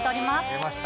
出ました！